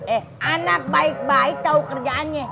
eh anak baik baik tahu kerjaannya